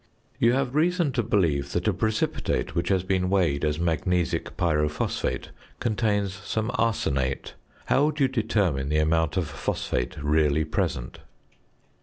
You have reason to believe that a precipitate which has been weighed as magnetic pyrophosphate contains some arsenate. How would you determine the amount of phosphate really present?